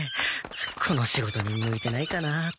この仕事に向いてないかなあって。